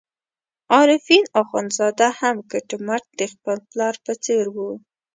عارفین اخندزاده هم کټ مټ د خپل پلار په څېر وو.